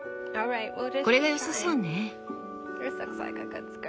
これがよさそうね。